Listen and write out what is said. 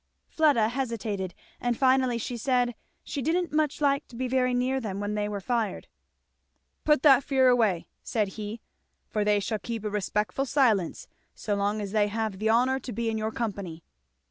Fleda hesitated, and finally said "she didn't much like to be very near them when they were fired." "Put that fear away then," said he, "for they shall keep a respectful silence so long as they have the honour to be in your company.